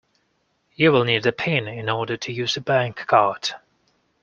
You will need a pin in order to use a bankcard